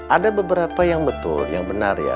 ada beberapa yang betul yang benar ya